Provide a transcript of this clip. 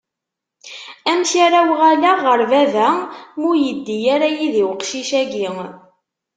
Amek ara uɣaleɣ ɣer baba, ma ur iddi ara yid-i uqcic-agi?